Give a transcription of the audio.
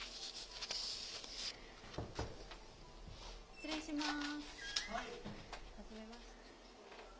失礼します。